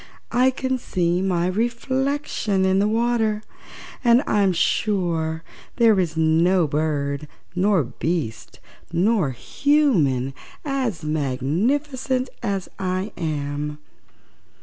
"I can see my reflection in the water, and I'm sure there is no bird nor beast, nor human as magnificent as I am!"